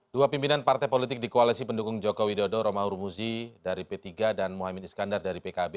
dua pimpinan partai politik di koalisi pendukung jokowi dodo roma hurmuzi dari p tiga dan mohaimin iskandar dari pkb